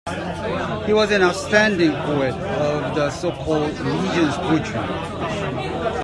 He was an outstanding poet of the so-called "Legions Poetry".